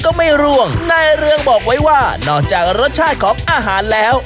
ไม่ร่วงนายเรืองบอกไว้ว่านอกจากรสชาติของอาหารแล้ว